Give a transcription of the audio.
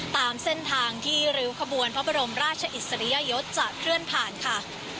ตามเส้นทางที่ริ้วขบวนพระบรมราชอิสริยยศจะเคลื่อนผ่านค่ะ